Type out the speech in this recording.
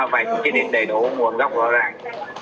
có vài chữ định đầy đủ nguồn gốc rõ ràng